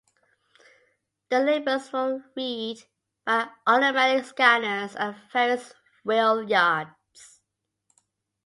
The labels were read by automatic scanners at various rail yards.